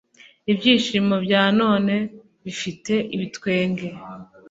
Ibyishimo bya none bifite ibitwenge